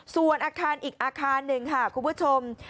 ส่วนอาคารอีกอาคารหนึ่งค่ะคุณผู้ชม